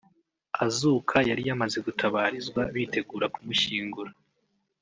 azuka yari yamaze gutabarizwa bitegura kumushyingura